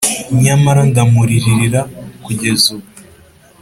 nyamara ndamuririra kugeza ubu;